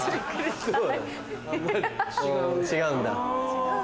違うんだ。